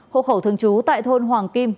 hộ khẩu thường trú tại thôn hoàng kim